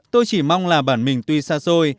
tôi chỉ mong là bản mình tuy xa xôi